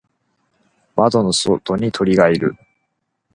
窓の外に鳥がいる。